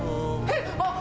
えっ！